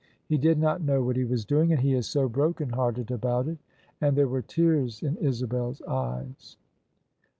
He did not know what he was doing, and he is so broken hearted about it." And there were tears in Isabel's eyes.